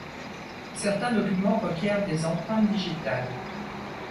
Certains documents requièrent des empreintes digitales.